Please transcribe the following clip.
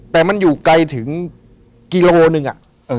แต่มันอยู่ไกลถึงกิโลหนึ่งอะ